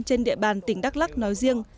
trên địa bàn tỉnh đắk lắc nói riêng